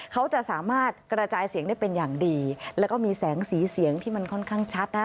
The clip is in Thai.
เขาจะสามารถกระจายเสียงได้เป็นอย่างดีแล้วก็มีแสงสีเสียงที่มันค่อนข้างชัดนะ